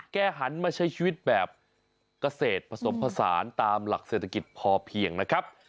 หันมาใช้ชีวิตแบบเกษตรผสมผสานตามหลักเศรษฐกิจพอเพียงนะครับ